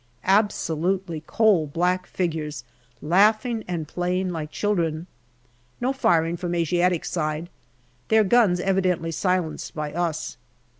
Absolutely coal black figures, laughing and playing like children. No firing from Asiatic side ; their guns evidently silenced by us.